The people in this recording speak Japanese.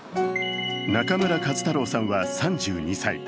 中村壱太郎さんは３２歳。